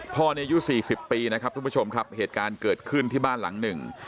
ในอายุสี่สิบปีนะครับทุกผู้ชมครับเหตุการณ์เกิดขึ้นที่บ้านหลังหนึ่ง